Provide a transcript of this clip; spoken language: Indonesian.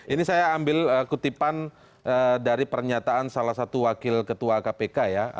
ini saya ambil kutipan dari pernyataan salah satu wakil ketua kpk ya